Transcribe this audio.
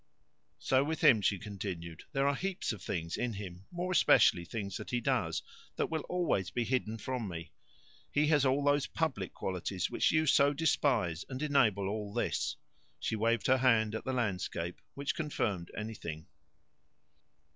"So with him," she continued. "There are heaps of things in him more especially things that he does that will always be hidden from me. He has all those public qualities which you so despise and enable all this " She waved her hand at the landscape, which confirmed anything.